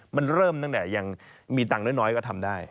มันเริ่มตั้งแต่ยังมีตังค์น้อยก็ทำได้